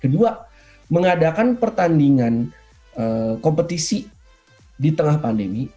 kedua mengadakan pertandingan kompetisi di tengah pandemi